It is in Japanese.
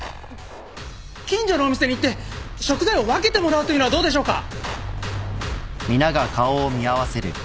近所のお店に行って食材を分けてもらうというのはどうでしょうか？